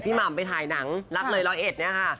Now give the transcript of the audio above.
พี่หม่ำไปถ่ายหนังลับเลยรอยเอสค่ะ